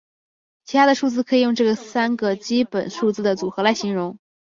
其他的数字可以用这三个基本数字的组合来形容。